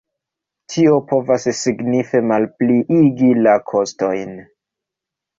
Tio povas signife malpliigi la kostojn.